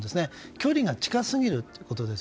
距離が近すぎるということです。